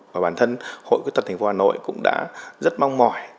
và bản thân hội khuyết tật thành phố hà nội cũng đã rất mong mỏi